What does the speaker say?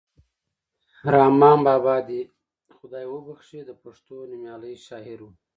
رحمان بابا دې یې خدای وبښي د پښتو نومیالی شاعر ؤ.